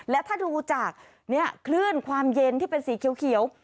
และถ้าดูจากคลื่นความเย็นที่เป็นสีเขียว